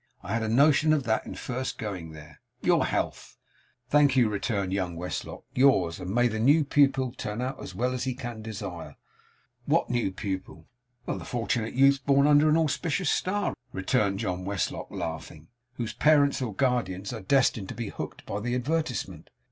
I had a notion of that in first going there. Your health!' 'Thank you,' returned young Westlock. 'Yours. And may the new pupil turn out as well as you can desire!' 'What new pupil?' 'The fortunate youth, born under an auspicious star,' returned John Westlock, laughing; 'whose parents, or guardians, are destined to be hooked by the advertisement.